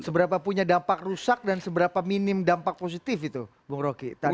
seberapa punya dampak rusak dan seberapa minim dampak positif itu bung rocky